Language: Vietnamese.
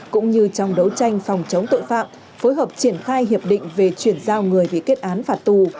cũng như trong đấu tranh phòng chống tội phạm phối hợp triển khai hiệp định về chuyển giao người bị kết án phạt tù